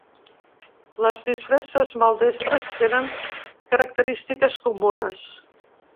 Les disfresses maldestres tenen característiques comunes.